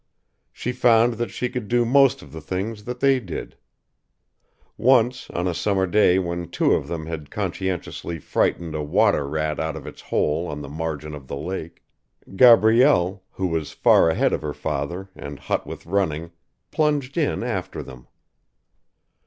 She found that she could do most of the things that they did. Once, on a summer day when two of them had conscientiously frightened a water rat out of its hole on the margin of the lake, Gabrielle, who was far ahead of her father and hot with running, plunged in after them.